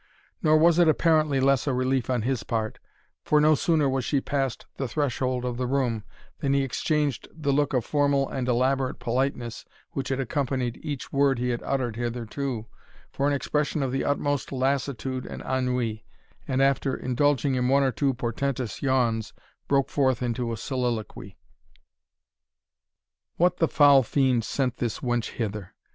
Nor was it apparently less a relief on his part; for no sooner was she past the threshold of the room, than he exchanged the look of formal and elaborate politeness which had accompanied each word he had uttered hitherto, for an expression of the utmost lassitude and ennui; and after indulging in one or two portentous yawns, broke forth into a soliloquy. "What the foul fiend sent this wench hither?